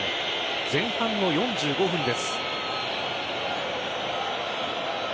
前半の４５分です。